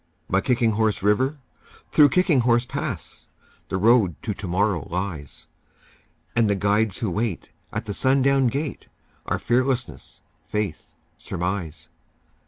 By Kicking Horse River, through Kicking Horse Pass, The Road to Tomorrow lies; And the guides who wait at the sundown gate Are Fearlessness, Faith, Surmise.